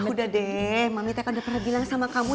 udah deh mamite kan udah pernah bilang sama kamu